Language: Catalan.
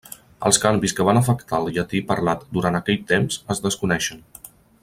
Els canvis que van afectar el llatí parlat durant aquell temps es desconeixen.